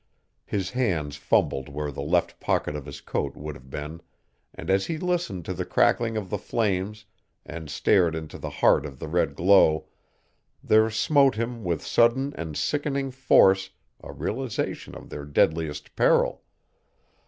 His hand fumbled where the left pocket of his coat would have been, and as he listened to the crackling of the flames and stared into the heart of the red glow there smote him with sudden and sickening force a realization of their deadliest peril.